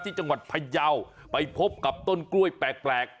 จังหวัดพยาวไปพบกับต้นกล้วยแปลก